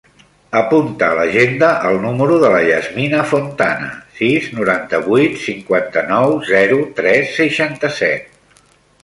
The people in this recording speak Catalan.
Apunta a l'agenda el número de la Yasmina Fontana: sis, noranta-vuit, cinquanta-nou, zero, tres, seixanta-set.